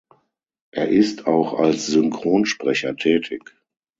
Er ist auch als Synchronsprecher tätig.